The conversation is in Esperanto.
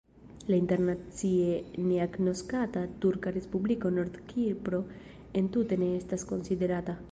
La internacie neagnoskata turka respubliko Nord-Kipro entute ne estas konsiderata.